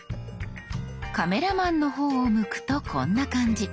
カメラマンの方を向くとこんな感じ。